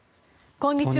こんにちは。